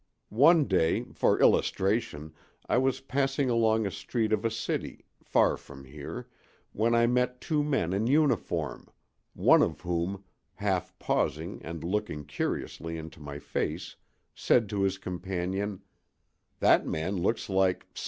One day, for illustration, I was passing along a street of a city, far from here, when I met two men in uniform, one of whom, half pausing and looking curiously into my face, said to his companion, "That man looks like 767."